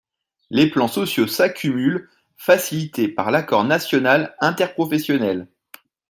Les plans sociaux s’accumulent, facilités par l’accord national interprofessionnel.